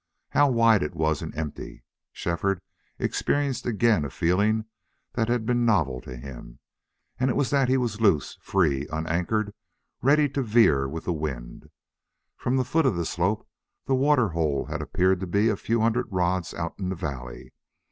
How wide it was, and empty! Shefford experienced again a feeling that had been novel to him and it was that he was loose, free, unanchored, ready to veer with the wind. From the foot of the slope the water hole had appeared to be a few hundred rods out in the valley.